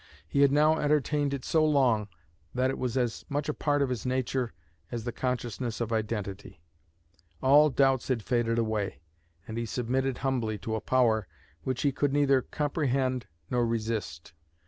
He had now entertained it so long that it was as much a part of his nature as the consciousness of identity. All doubts had faded away, and he submitted humbly to a power which he could neither comprehend nor resist.